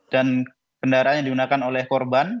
dan kendaraan yang digunakan oleh korban